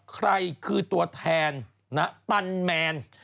ใครคือตัวแทนตันแมน